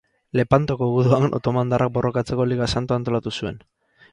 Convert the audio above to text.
Lepantoko guduan otomandarrak borrokatzeko Liga Santua antolatu zuen.